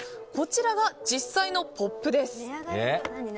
こちらは実際のポップです。